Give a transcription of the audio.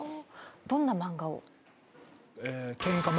どんな漫画を？